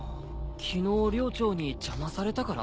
昨日寮長に邪魔されたから？